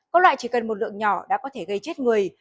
có loại chỉ cần một lượng nhỏ đã có thể gây chết người